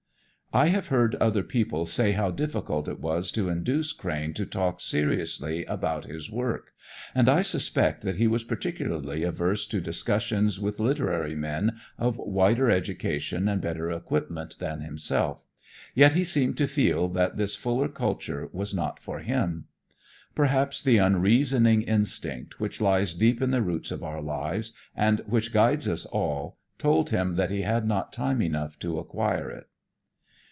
I have heard other people say how difficult it was to induce Crane to talk seriously about his work, and I suspect that he was particularly averse to discussions with literary men of wider education and better equipment than himself, yet he seemed to feel that this fuller culture was not for him. Perhaps the unreasoning instinct which lies deep in the roots of our lives, and which guides us all, told him that he had not time enough to acquire it.